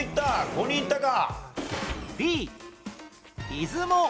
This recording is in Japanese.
５人いったか。